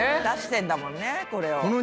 出してんだもんねこれを。